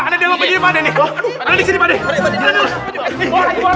ada di sini pak dek ada di sini pak dek